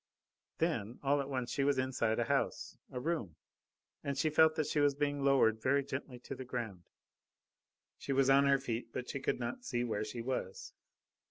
Then, all at once, she was inside a house a room, and she felt that she was being lowered very gently to the ground. She was on her feet, but she could not see where she was.